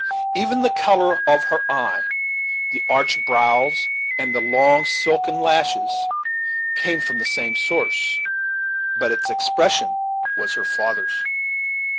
Even the color of her eye, the arched brows, and the long silken lashes, came from the same source; but its expression was her father's.